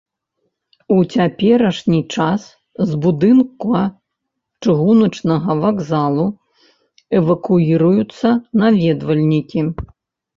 У цяперашні час з будынка чыгуначнага вакзалу эвакуіруюцца наведвальнікі.